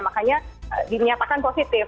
makanya dinyatakan positif